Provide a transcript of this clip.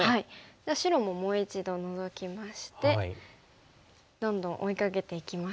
じゃあ白ももう一度ノゾきましてどんどん追いかけていきますか。